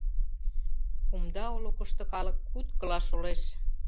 Кумда олыкышто калык куткыла шолеш.